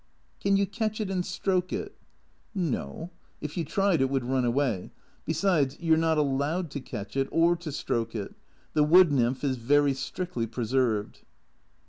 " Can you catch it and stroke it ?"" No. If you tried it would run away. Besides, you 're not allowed to catch it, or to stroke it. The wood nymph is very strictly preserved."